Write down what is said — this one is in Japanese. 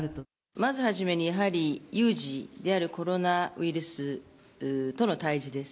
まず初めに、やはり有事であるコロナウイルスとの対じです。